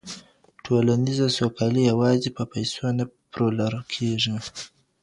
ټولنیزه سوکالي یوازې په پیسو نه پلورل کیږي.